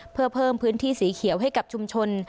เพื่อเพิ่มพื้นที่สีเขียวให้กับชุมชน